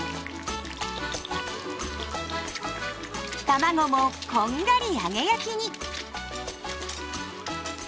たまごもこんがり揚げ焼きに。